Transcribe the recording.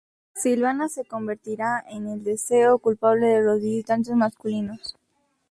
Silvana se convertirá en el deseo culpable de los visitantes masculinos.